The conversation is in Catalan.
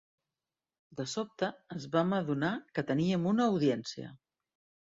De sobte, ens vam adonar que teníem una audiència.